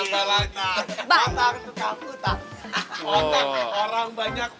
otang orang banyak utang